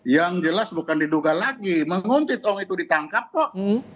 yang jelas bukan diduga lagi menguntit uang itu ditangkap kok